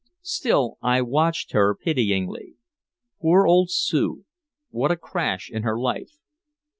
Still I watched her pityingly. Poor old Sue. What a crash in her life.